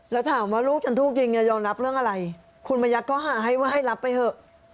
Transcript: แล้วถามว่าลูกฉันถูกยิงยอมรับเรื่องอะไรคุณมายัดข้อหาให้ว่าให้รับไปเถอะ